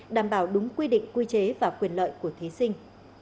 đảm bảo đúng quy định quy chế và quyền lợi của thí sinh